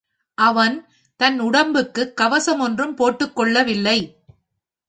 அவன் தன் உடம்புக்குக் கவசம் ஒன்றும் போட்டுக் கொள்ளவில்லை.